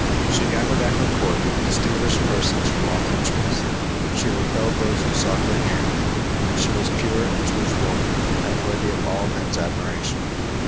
She gathered at her court distinguished persons from all countries. She repelled those who sought her hand, and she was pure and truthful and worthy of all men's admiration.